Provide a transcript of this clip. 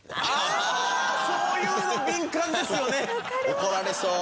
怒られそう。